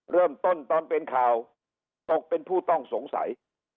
เริ่มต้นตอนเป็นข่าวตกเป็นผู้ต้องสงสัย